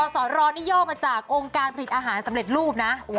สรนี่ย่อมาจากองค์การผลิตอาหารสำเร็จรูปนะ